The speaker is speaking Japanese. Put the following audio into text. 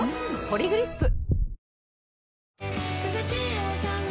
「ポリグリップ」